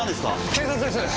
警察です！